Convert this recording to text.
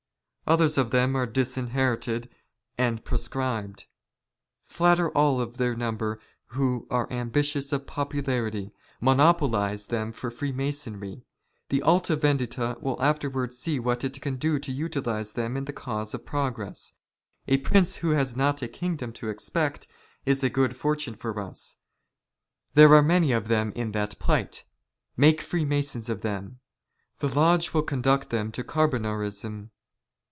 " Others of them are disinherited and proscribed. Flatter all of " their number who are ambitious of popularity ; monopolize "them for Freemasonry. The Alta Yendita will afterwards see " what it can do to utilize them in the cause of progress. " A prince who has not a kingdom to expect, is a good for " tune for us. There are many of them in that plight. Make "Freemasons of them. The lodge will conduct them to Car " bonarism.